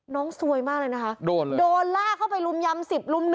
น้องซวยมากเลยนะคะโดนล่าเข้าไปรุมยำ๑๐รุม๑